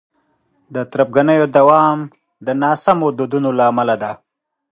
د تربګنیو دوام د ناسمو دودونو له امله دی.